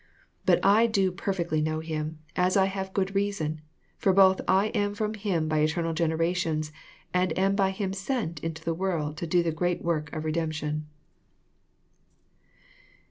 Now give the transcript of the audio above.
But I do perfectly know Him, as I have good reason; for both I am ttOTSL Him by eterual generation, and am by Him sent into the world to do the great work of redemption."